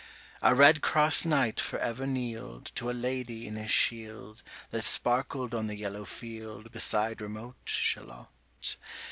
A red cross knight for ever kneel'd To a lady in his shield, That sparkled on the yellow field, 80 Beside remote Shalott.